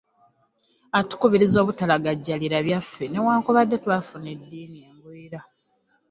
Atukubiriza obutalagajjalira byaffe newaakubadde twafuna eddiini engwira.